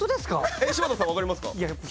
えっ柴田さん分かりますか？